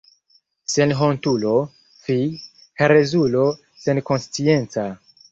Senhontulo, fi, herezulo senkonscienca!